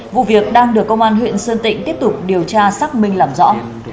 vụ việc đang được công an huyện sơn tịnh tiếp tục điều tra xác minh làm rõ